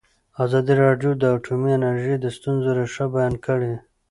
ازادي راډیو د اټومي انرژي د ستونزو رېښه بیان کړې.